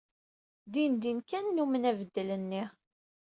Dindin kan nnumen abeddel-nni.